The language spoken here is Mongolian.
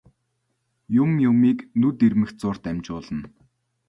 Юм юмыг нүд ирмэх зуурт амжуулна.